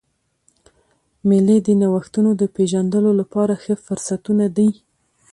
مېلې د نوښتو د پېژندلو له پاره ښه فرصتونه دي.